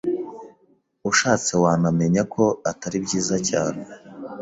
Ushatse wanamenyako Atari byiza cyane